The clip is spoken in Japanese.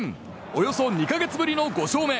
およそ２か月ぶりの５勝目。